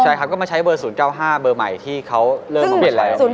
ใช่ครับก็มาใช้เบอร์๐๙๕เบอร์ใหม่ที่เขาเริ่มมาเปลี่ยนแล้ว